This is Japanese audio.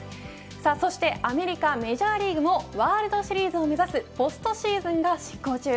そしてアメリカ、メジャーリーグもワールドシリーズを目指すポストシーズンが進行中。